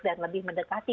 dan lebih mendekati